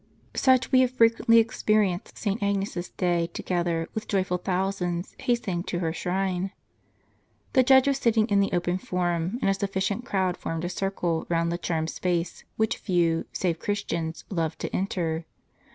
Such we have frequently experienced St. Agnes's day, together with joyful thousands, hastening to her shrine. The judge was sitting in the open Forum, and a sufficient crowd formed a circle round the charmed space, which few, save Christians, loved to enter.